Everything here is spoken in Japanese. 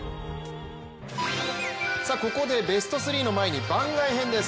ここでベスト３の前に番外編です。